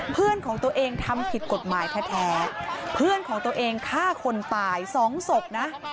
เพื่อนของตัวเองทำผิดกฎหมายแท้เพื่อนของตัวเองฆ่าคนตายสองศพนะ